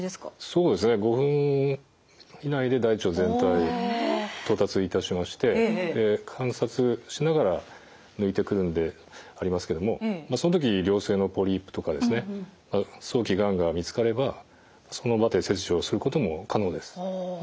そうですね５分以内で大腸全体到達いたしまして観察しながら抜いてくるんでありますけどもその時良性のポリープとか早期がんが見つかればその場で切除することも可能です。